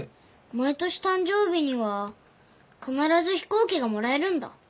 毎年誕生日には必ず飛行機がもらえるんだ。